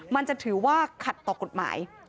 มันจะถือว่าขัดต่อกฎหมาย